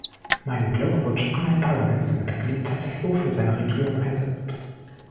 Meinen Glückwunsch an ein Parlamentsmitglied, das sich so für seine Region einsetzt.